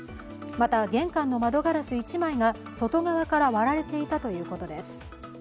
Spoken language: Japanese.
また、玄関の窓ガラス１枚が外側から割られていたということです。